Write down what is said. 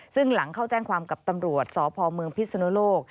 ซึ่งหลังเข้าแจ้งความกับตำรวจสพเมืองพิศนุโลก